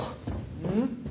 うん？